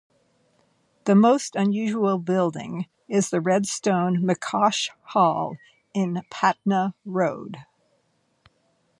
The most unusual building is the red stone McCosh Hall in Patna Road.